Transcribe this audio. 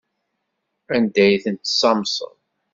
Anda ay tent-tessamseḍ?